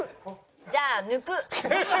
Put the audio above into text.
じゃあ抜く。